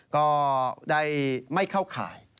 ก็ได้ไม่เข้าข่าย